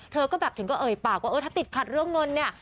เธอก็แบบถึงก็เอ่ยปากว่าเออถ้าติดขัดเรื่องเงินเนี่ย